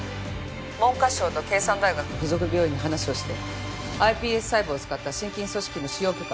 文科省と京山大学付属病院に話をしてｉＰＳ細胞を使った心筋組織の使用許可